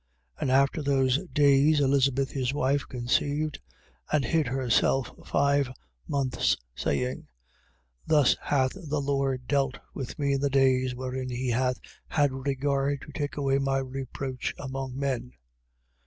1:24. And after those days, Elizabeth his wife conceived and hid herself five months, saying: 1:25. Thus hath the Lord dealt with me in the days wherein he hath had regard to take away my reproach among men.